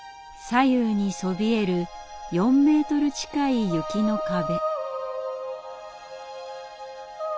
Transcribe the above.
左右にそびえる４ｍ近い雪の壁。